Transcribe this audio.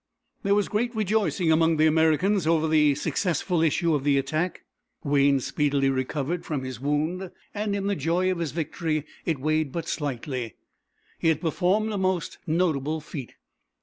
There was great rejoicing among the Americans over the successful issue of the attack. Wayne speedily recovered from his wound, and in the joy of his victory it weighed but slightly. He had performed a most notable feat.